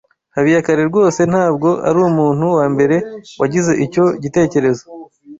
Habiyakare rwose ntabwo arumuntu wambere wagize icyo gitekerezo.